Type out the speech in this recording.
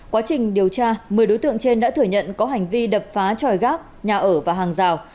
quá trình điều tra một mươi đối tượng trên đã thừa nhận có hành vi đập phá tròi gác nhà ở và hàng rào